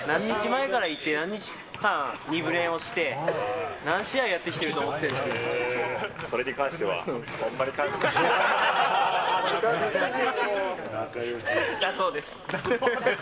何日前からいて、何日間２部練をして、何試合やってきてると思っそれに関してはほんまに感謝だそうです。